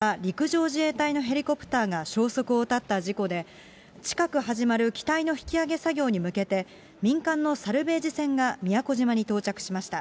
沖縄県の宮古島沖で、隊員１０人を乗せた陸上自衛隊のヘリコプターが消息を絶った事故で、近く始まる機体の引き揚げ作業に向けて、民間のサルベージ船が宮古島に到着しました。